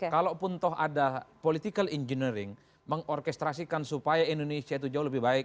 kalaupun toh ada political engineering mengorkestrasikan supaya indonesia itu jauh lebih baik